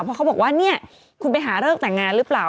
เพราะเขาบอกว่าเนี่ยคุณไปหาเลิกแต่งงานหรือเปล่า